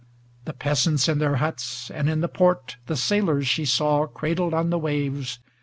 The peasants in their huts, and in the port The sailors she saw cradled on the waves.